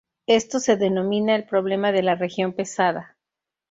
Esto se denomina el "problema de la región pesada".